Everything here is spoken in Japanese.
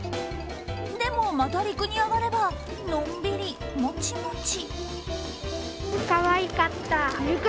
でも、また陸に上がればのんびり、もちもち。